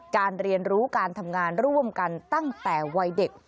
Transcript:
เรียนรู้การทำงานร่วมกันตั้งแต่วัยเด็ก